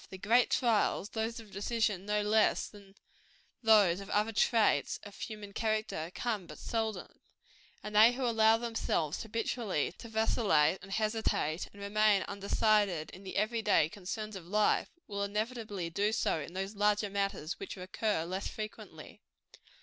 The great trials those of decision no less than those of other traits of human character come but seldom; and they who allow themselves, habitually, to vacillate, and hesitate, and remain undecided, in the every day concerns of life, will inevitably do so in those larger matters which recur less frequently.